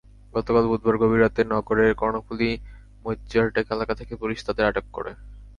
গতকাল বুধবার গভীর রাতে নগরের কর্ণফুলী মইজ্জারটেক এলাকা থেকে পুলিশ তাঁদের আটক করে।